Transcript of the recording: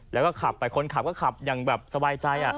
แล้วก็ขับไปคนขับก็ขับอย่างแบบสบายใจ